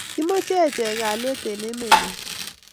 Kichame enchek kalyet en emet nyon